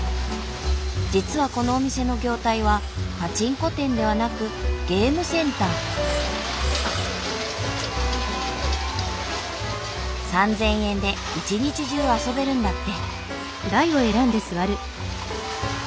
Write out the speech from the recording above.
実はこのお店の業態はパチンコ店ではなく３，０００円で一日中遊べるんだって。